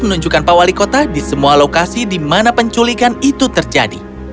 menunjukkan pak wali kota di semua lokasi di mana penculikan itu terjadi